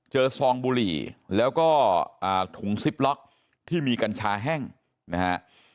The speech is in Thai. ซองบุหรี่แล้วก็ถุงซิปล็อกที่มีกัญชาแห้งนะฮะ